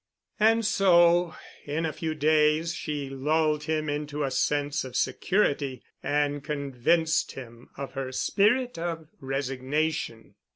And so in a few days she lulled him into a sense of security and convinced him of her spirit of resignation.